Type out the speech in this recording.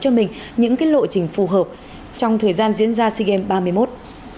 cho mình những lộ trình phù hợp trong thời gian diễn ra sea games ba mươi một